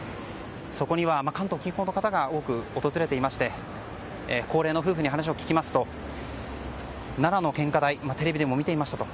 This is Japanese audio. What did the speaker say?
そこには関東近郊の方が多く訪れていまして高齢の夫婦に話を聞きますと奈良の献花台テレビでも見ていましたと。